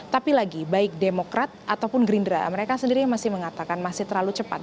tapi lagi baik demokrat ataupun gerindra mereka sendiri yang masih mengatakan masih terlalu cepat